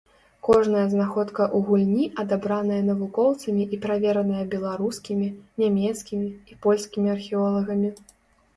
Кожная знаходка ў гульні адабраная навукоўцамі і правераная беларускімі, нямецкімі і польскімі археолагамі.